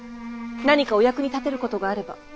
何かお役に立てることがあれば。